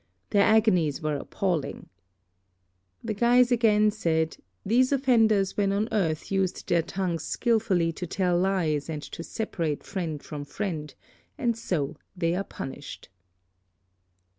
Their agonies were appalling. The guides again said, 'These offenders when on earth used their tongues skilfully to tell lies and to separate friend from friend, and so they are punished.'